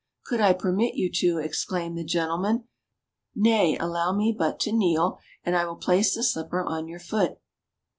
Could I permit you to?" exclaimed the gentleman ; nay, allow me but to kneel and I will place the slipper on your foot."